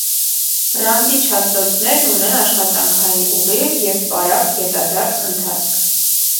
Ռանդիչ հաստոցներն ունեն աշխատանքային (ուղիղ) և պարապ (ետադարձ) ընթացք։